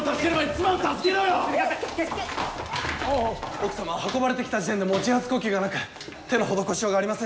奥さまは運ばれてきた時点でもう自発呼吸がなく手の施しようがありません。